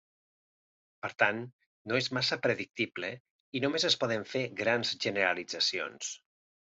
Per tant no és massa predictible, i només es poden fer grans generalitzacions.